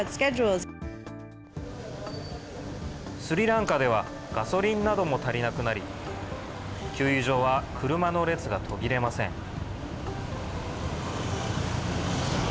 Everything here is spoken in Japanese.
スリランカでは、ガソリンなども足りなくなり、給油所は車の列が途切れません。